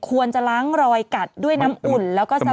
ควรจะล้างรอยกัดด้วยน้ำอุ่นแล้วก็ส